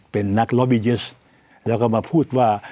เป็นนักล้อบิเยสแล้วก็มาพูดว่า